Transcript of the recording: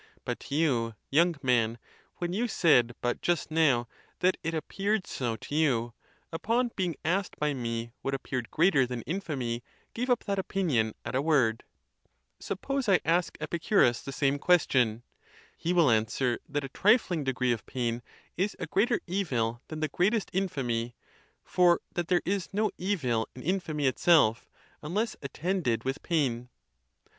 But you, young man, when you said but just now that it appeared so. to you, upon being asked by me what appeared greater than infamy, gave up that opinion at a word. Suppose I ask ON BEARING PAIN. 75 Epicurus the same question. He will answer that a tri fling degree of pain is a greater evil than the greatest in famy; for that there is no evil in infamy itself, unless attended with pain.